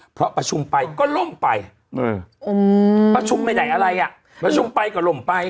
เพราะประชุมไปก็ล่มไปประชุมไปไหนอะไรอ่ะประชุมไปก็ล่มไป